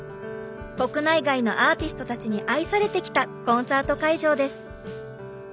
国内外のアーティストたちに愛されてきたコンサート会場です。